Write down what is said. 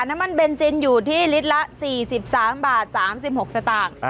น้ำมันเบนซินอยู่ที่ลิตรละ๔๓บาท๓๖สตางค์